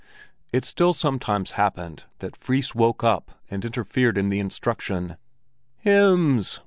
It still sometimes happened that Fris woke up and interfered in the instruction. "Hymns!"